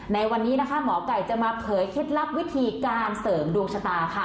ในวันนี้นะคะหมอไก่จะมาเผยเคล็ดลับวิธีการเสริมดวงชะตาค่ะ